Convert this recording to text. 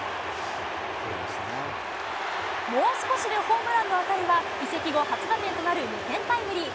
もう少しでホームランの当たりは、移籍後初打点となる２点タイムリー。